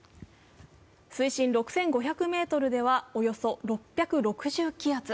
水深６５００ｍでは、およそ６６０気圧。